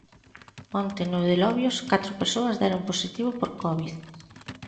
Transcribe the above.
Onte, no de Lobios, catro persoas deron positivo por covid.